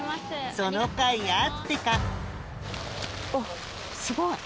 そのかいあってかすごいね。